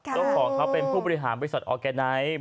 เจ้าของเขาเป็นผู้บริหารบริษัทออร์แกไนท์